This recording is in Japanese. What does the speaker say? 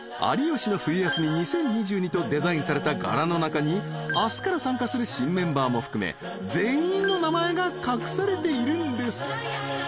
［『有吉の冬休み２０２２』とデザインされた柄の中に明日から参加する新メンバーも含め全員の名前が隠されているんです］